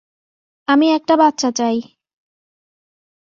আমি একটা বাচ্চা চাই।